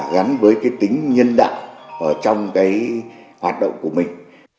gắn với cái tính nhân đạo trong cái hoạt động của mình